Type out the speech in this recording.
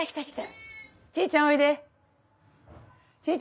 チーちゃんおいで。